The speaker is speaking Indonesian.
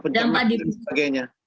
dampak di tubuh